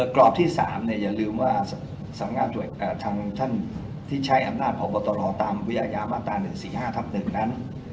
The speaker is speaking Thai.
กรอบที่๓อย่าลืมว่าสำงักทางท่านที่ใช้อำนาจของบทลอตามวิญญาณมาตรา๑๔๕๑นั้น